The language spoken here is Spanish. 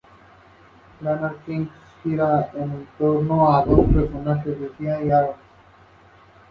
Es un habitual de la selección de Grecia en sus categorías inferiores.